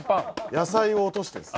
野菜を落としてるんです。